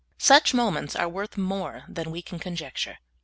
Such moments are worth more than we can con jecture.